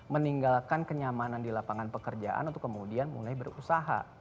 meninggalkan kenyamanan di lapangan pekerjaan untuk kemudian mulai berusaha